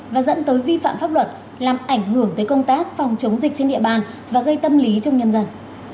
và dẫn tới vi phạm pháp luật làm ảnh hưởng tới công tác phòng chống dịch trên địa bàn và gây tâm lý trong nhân dân